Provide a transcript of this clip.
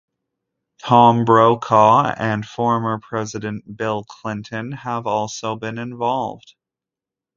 Tom Brokaw and former president Bill Clinton have also been involved.